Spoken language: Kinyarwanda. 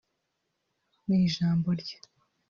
mu ijambo rye